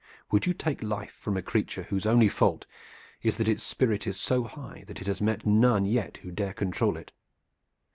"Would you take life from a creature whose only fault is that its spirit is so high that it has met none yet who dare control it?